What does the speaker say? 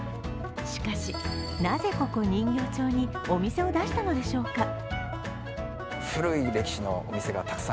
しかし、なぜここ人形町にお店を出したのでしょうか。